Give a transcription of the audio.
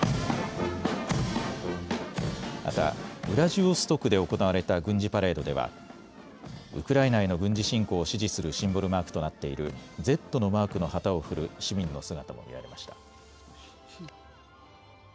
またウラジオストクで行われた軍事パレードではウクライナへの軍事侵攻を支持するシンボルマークとなっているＺのマークの旗を振る市民の姿も見られました。